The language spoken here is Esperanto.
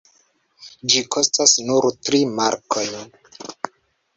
Ĝi kostas nur tri markojn.